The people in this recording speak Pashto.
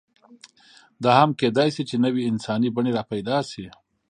دا هم کېدی شي، چې نوې انساني بڼې راپیدا شي.